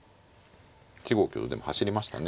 １五香でも走りましたね。